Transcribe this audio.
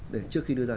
để trước khi đưa ra